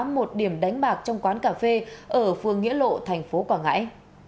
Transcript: một điểm đánh bạc trong quán cà phê ở phường nguyễn lộ tp quảng ngãi